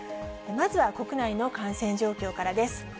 まずは国内の感染状況からです。